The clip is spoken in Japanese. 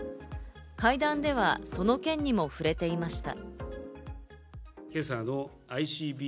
会談ではその件にも触れていました。